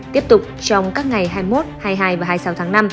tiếp tục trong các ngày hai mươi một hai mươi hai và hai mươi sáu tháng năm